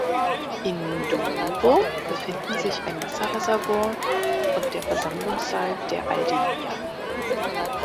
In Douro befinden sich ein Wasserreservoir und der Versammlungssaal der Aldeia.